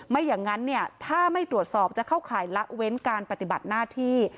ไม่อย่างนั้นเนี่ยถ้าไม่ตรวจสอบจะเข้าข่ายละเว้นการปฏิบัติหน้าที่